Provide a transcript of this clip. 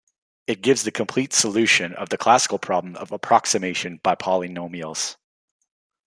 It gives the complete solution of the classical problem of approximation by polynomials.